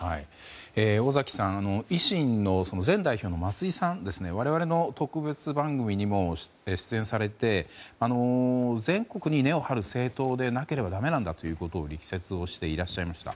尾崎さん維新の前代表の松井さんは我々の特別番組にも出演されて全国に根を張る政党でなければだめなんだと力説していらっしゃいました。